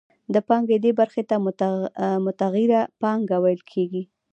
د پانګې دې برخې ته متغیره پانګه ویل کېږي